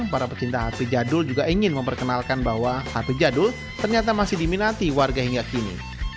para pecinta hp jadul juga ingin memperkenalkan bahwa hp jadul ternyata masih diminati warga hingga kini